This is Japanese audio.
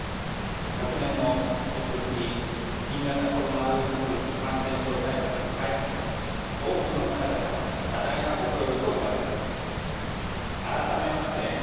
昨年も引き続き新型コロナウイルス感染症対策に対し多くの方々に多大なご協力をいただきました。